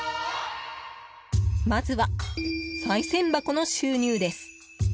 まずは、さい銭箱の収入です。